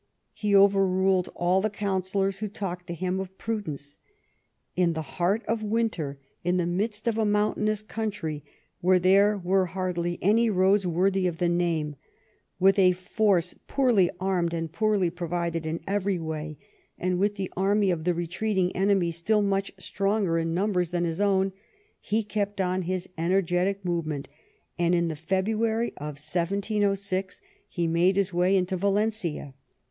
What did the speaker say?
Ho overruled all the counsellors who talked to him of prudence. In the heart of winter, in the midst of a mountainous country, where there were hardly any roads worthy of the name, with a force poorly armed and poorly provided in every way, and with the army of the retreating enemy still much stronger in num bers than his own, he kept on his energetic move ment, and in the February of 1706 he made his way into Valencia.